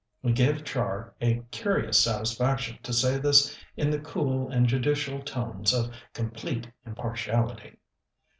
It gave Char a curious satisfaction to say this in the cool and judicial tones of complete impartiality.